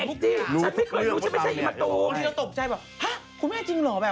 บางทีเราตกใจว่าฮะคุณแม่จริงเหรอ